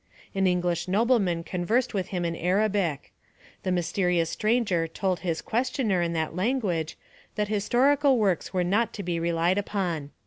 An English nobleman conversed with him in Arabic. The mysterious stranger told his questioner in that language that historical works were not to be relied upon.